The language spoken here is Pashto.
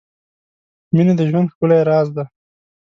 • مینه د ژوند ښکلی راز دی.